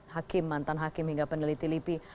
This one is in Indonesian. hakim mantan hakim hingga peneliti lipi